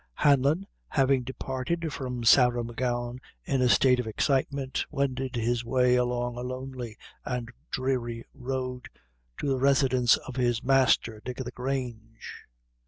Hanlon, having departed from Sarah M'Gowan in a state of excitement, wended his way along a lonely and dreary road, to the residence of his master, Dick o' the Grange.